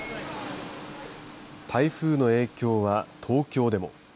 台風の影響は東京でも。